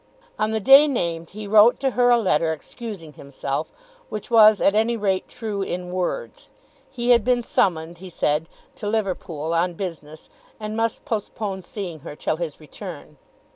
On the day named he wrote to her a letter excusing himself, which was at any rate true in words. He had been summoned, he said, to Liverpool on business, and must postpone seeing her till his return.